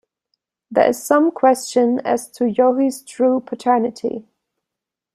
There is some question as to Jochi's true paternity.